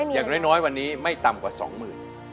อย่างน้อยวันนี้ไม่ต่ำกว่าสองหมื่น